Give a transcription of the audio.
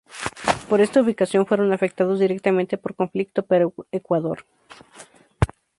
Por esta ubicación fueron afectados directamente por conflicto Perú-Ecuador.